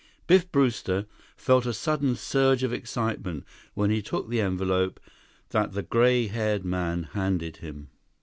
Biff Brewster felt a sudden surge of excitement when he took the envelope that the gray haired man handed him.